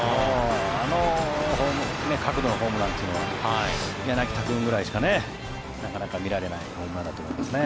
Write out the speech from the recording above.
あの角度のホームランというのは柳田君くらいしか見られないホームランだと思いますね。